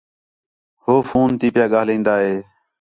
ہو فون تی پِیا ڳاھلین٘دا ہِے